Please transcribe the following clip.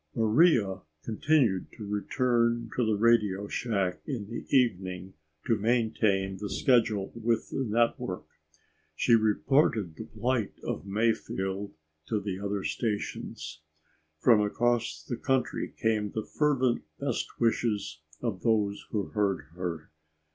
Maria continued to return to the radio shack in the evening to maintain the schedule with the network. She reported the plight of Mayfield to the other stations. From across the country came the fervent best wishes of those who heard her.